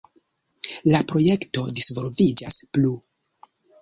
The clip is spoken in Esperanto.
La projekto disvolviĝas plu.